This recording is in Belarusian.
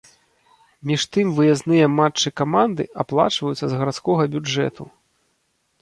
Між тым выязныя матчы каманды аплачваюцца з гарадскога бюджэту.